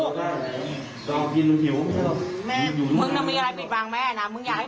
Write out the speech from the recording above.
สงสารแล้วมีไรเราในใจแล้วต้องพูดมา